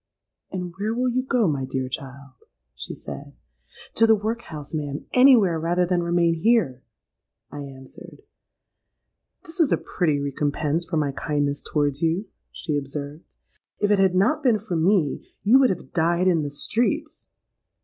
'—'And where will you go, my dear child?' she said.—'To the workhouse, ma'am: anywhere, rather than remain here!' I answered.—'This is a pretty recompense for my kindness towards you,' she observed. 'If it had not been for me, you would have died in the streets.'